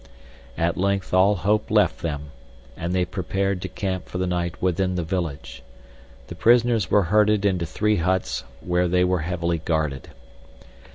At length all hope left them, and they prepared to camp for the night within the village. The prisoners were herded into three huts where they were heavily guarded.